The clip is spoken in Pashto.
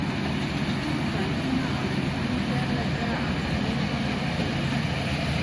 ټول کارتونه او نږدې دیارلس زره افغانۍ هم په کې وې.